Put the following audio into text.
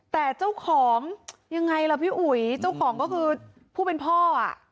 แต่เจ้าของยังไงล่ะพี่อุ๋ยเจ้าของก็คือผู้เป็นพ่ออ่ะ